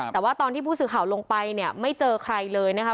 แต่ว่าตอนที่ผู้สื่อข่าวลงไปเนี่ยไม่เจอใครเลยนะคะ